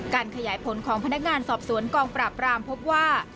ขยายผลของพนักงานสอบสวนกองปราบรามพบว่า